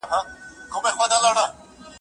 ویل یې: